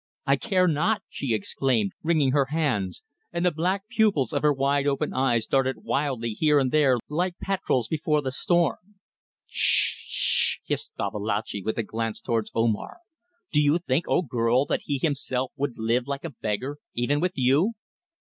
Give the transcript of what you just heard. "I care not," she exclaimed, wringing her hands; and the black pupils of her wide open eyes darted wildly here and there like petrels before the storm. "Sh! Sh!" hissed Babalatchi, with a glance towards Omar. "Do you think, O girl! that he himself would live like a beggar, even with you?"